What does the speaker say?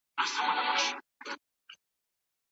هغه تل د ونو کښېنولو ته خلک هڅوي ترڅو هوا پاکه پاتې شي.